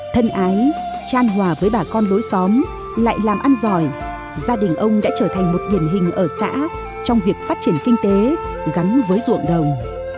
thân ái tran hòa với bà con lối xóm lại làm ăn giỏi gia đình ông đã trở thành một điển hình ở xã trong việc phát triển kinh tế gắn với ruộng đồng